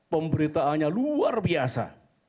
pemberitaannya luar biasa